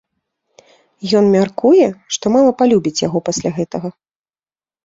Ён мяркуе, што мама палюбіць яго пасля гэтага.